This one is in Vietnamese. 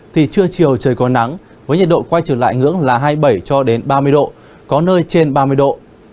thì trưa chiều trời có nắng với nhiệt độ quay trở lại ngưỡng là hai mươi bảy cho đến ba mươi độ có nơi trên ba mươi độ